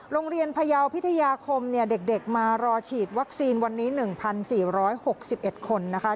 พยาวพิทยาคมเนี่ยเด็กมารอฉีดวัคซีนวันนี้๑๔๖๑คนนะคะ